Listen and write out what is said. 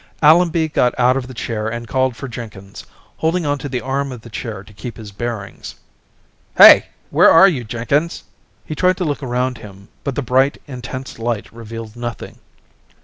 Allenby got out of the chair and called for Jenkins, holding on to the arm of the chair to keep his bearings. "Hey! Where are you? Jenkins!" He tried to look around him but the bright, intense light revealed nothing.